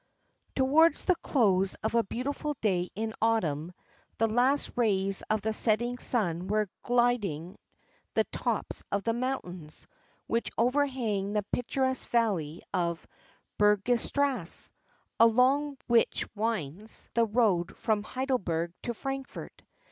Towards the close of a beautiful day in autumn, the last rays of the setting sun were gilding the tops of the mountains, which overhang the picturesque valley of Bergstrasse, along which winds the road from Heidelberg to Frankfort.